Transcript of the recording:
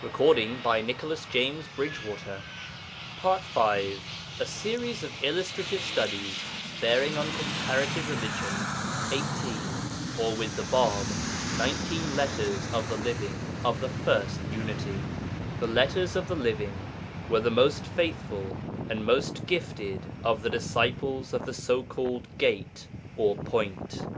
Sursum corda. PART V A SERIES OF ILLUSTRATIVE STUDIES BEARING ON COMPARATIVE RELIGION A SERIES OF ILLUSTRATIVE STUDIES BEARING ON COMPARITIVE RELIGION EIGHTEEN (OR, WITH THE BĀB, NINETEEN) LETTERS OF THE LIVING OF THE FIRST UNITY The Letters of the Living were the most faithful and most gifted of the disciples of the so called Gate or Point.